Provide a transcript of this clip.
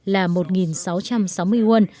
là một sáu trăm sáu mươi won